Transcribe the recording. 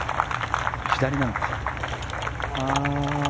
左なのか。